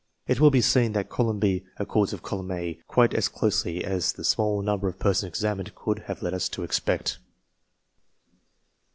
It will be seen that column B accords with column A quite as closely as the small number of persons examined could have led us to expect.